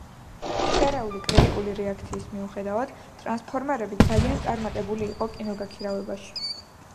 შერეული კრიტიკული რეაქციის მიუხედავად, „ტრანსფორმერები“ ძალიან წარმატებული იყო კინოგაქირავებაში.